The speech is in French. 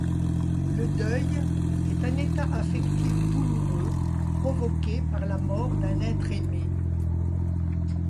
Le deuil est un état affectif douloureux provoqué par la mort d'un être aimé.